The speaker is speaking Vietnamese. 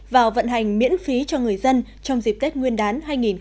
vào vận hành miễn phí cho người dân trong dịp tết nguyên đán hai nghìn hai mươi